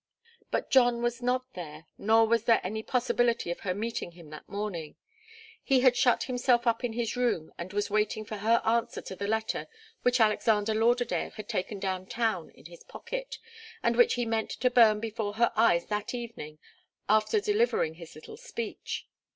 But John was not there, nor was there any possibility of her meeting him that morning. He had shut himself up in his room and was waiting for her answer to the letter which Alexander Lauderdale had taken down town in his pocket, and which he meant to burn before her eyes that evening after delivering his little speech.